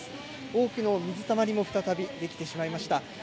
多くの水たまりも再び出来てしまいました。